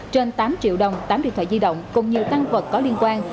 trên tám triệu đồng tám điện thoại di động cùng nhiều tăng vật có liên quan